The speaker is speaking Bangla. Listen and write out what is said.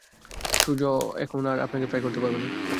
সূর্য এখন আর আপনাকে ফ্রাই করতে পারবে না।